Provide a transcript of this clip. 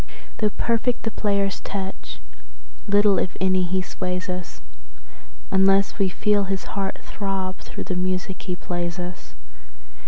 Though perfect the player's touch, little, if any, he sways us, Unless we feel his heart throb through the music he plays us.